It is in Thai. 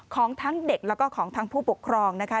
ของทั้งเด็กแล้วก็ของทั้งผู้ปกครองนะคะ